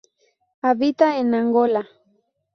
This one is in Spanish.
Habita en Angola.